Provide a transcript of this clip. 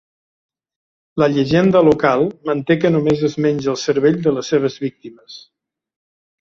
La llegenda local manté que només es menja el cervell de les seves víctimes.